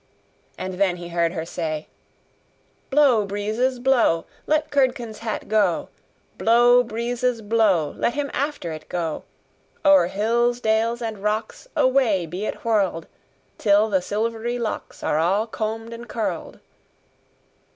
And then he heard her say: 'Blow, breezes, blow! Let Curdken's hat go! Blow, breezes, blow! Let him after it go! O'er hills, dales, and rocks, Away be it whirl'd Till the silvery locks Are all comb'd and curl'd!